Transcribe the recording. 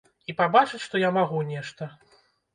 І пабачыць, што я магу нешта.